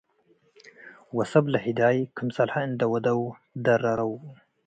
ወሰብ ለህዳይ ክምሰልሀ እንዴ ወደው ትደረረው።